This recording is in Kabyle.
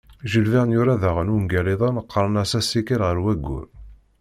Jules Verne yura daɣen ungal-iḍen qqaren-as "Asikel ɣer wayyur".